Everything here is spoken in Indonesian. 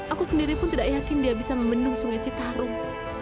aku sendiri pun tidak yakin dia bisa membendung sungai citarum